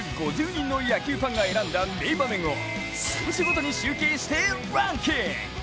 人の野球ファンが選んだ名場面を選手ごとに集計してランキング！